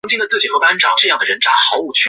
李敏是一名中国女子花样游泳运动员。